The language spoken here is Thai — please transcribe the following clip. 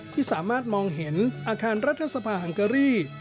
ที่สามารถมองเห็นอาคารรัฐสภาฮังเกอรี่